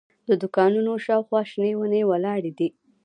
د دوکانونو شاوخوا شنې ونې ولاړې دي.